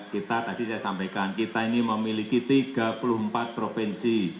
kita tadi saya sampaikan kita ini memiliki tiga puluh empat provinsi